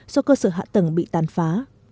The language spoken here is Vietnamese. do cơ sở hạ tầng bị tàn phá